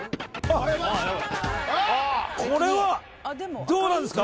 これはどうなんですか？